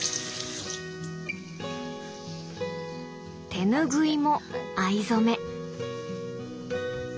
手ぬぐいも藍染め。